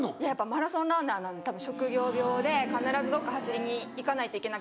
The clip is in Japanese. マラソンランナーの職業病で必ずどっか走りに行かないといけない。